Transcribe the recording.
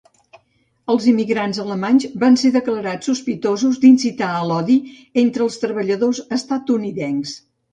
Els immigrants alemanys van ser declarats sospitosos d'incitar a l'odi entre els treballadors estatunidencs.